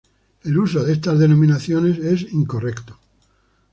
El uso de estas denominaciones es incorrecto.